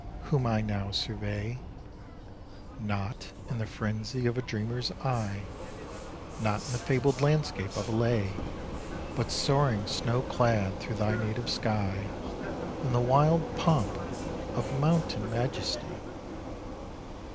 whom I now survey, Not in the frenzy of a dreamer's eye, Not in the fabled landscape of a lay, But soaring snow clad through thy native sky, In the wild pomp of mountain majesty!